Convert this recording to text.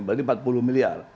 berarti empat puluh miliar